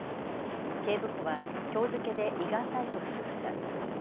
警部補はきょう付けで依願退職しました。